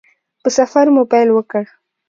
په سفر مو پیل وکړ.